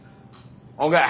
ＯＫ。